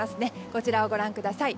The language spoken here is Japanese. こちらをご覧ください。